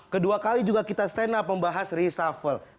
kedua kali juga kita stand up membahas reshuffle